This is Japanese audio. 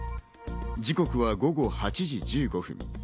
時刻は午後８時１５分。